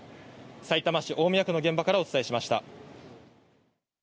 さいたま市大宮区の現場からお伝えしました。